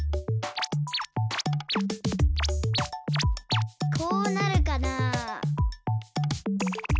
こうなるかなあ。